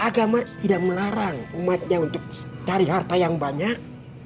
agama tidak melarang umatnya untuk cari harta yang banyak